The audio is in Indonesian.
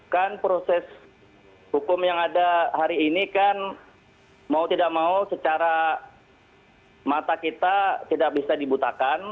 kan proses hukum yang ada hari ini kan mau tidak mau secara mata kita tidak bisa dibutakan